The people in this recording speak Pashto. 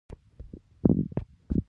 د بلخ په کشنده کې د تیلو نښې شته.